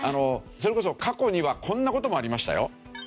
それこそ過去にはこんな事もありましたよ。